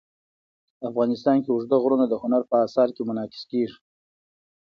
افغانستان کې اوږده غرونه د هنر په اثار کې منعکس کېږي.